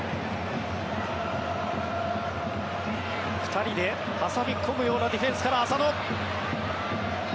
２人で挟み込むようなディフェンスから浅野。